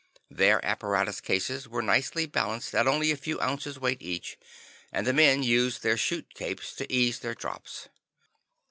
Their apparatus cases were nicely balanced at only a few ounces weight each, and the men used their chute capes to ease their drops.